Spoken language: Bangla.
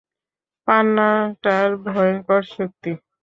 পান্নাটার ভয়ঙ্কর শক্তি।